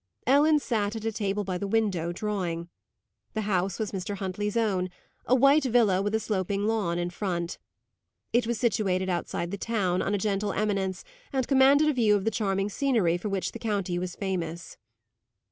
Ellen sat at a table by the window, drawing. The house was Mr. Huntley's own a white villa with a sloping lawn in front. It was situated outside the town, on a gentle eminence, and commanded a view of the charming scenery for which the county was famous.